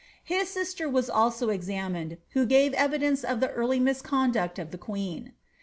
Uii sister was also examined, who gave evidence of the early miaecmdaet of the queen.